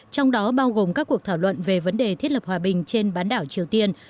trong đó bao gồm các cuộc thảo luận về vấn đề thiết lập hòa bình trên bán đảo triều tiên